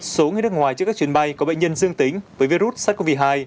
số người nước ngoài trước các chuyến bay có bệnh nhân dương tính với virus sars cov hai